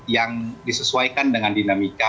yang disesuaikan dengan dinamika